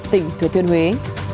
tỉnh thừa thuyên huế